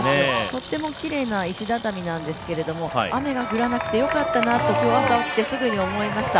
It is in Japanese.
とってもきれいな石畳なんですけれども、雨が降らなくて良かったなと、今日朝起きてすぐ思いました。